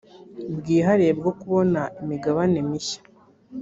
bwihariye bwo kubona imigabane mishya